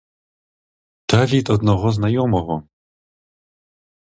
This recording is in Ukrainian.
Та від одного знайомого.